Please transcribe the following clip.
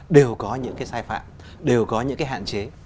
đều có những cái sai phạm đều có những cái hạn chế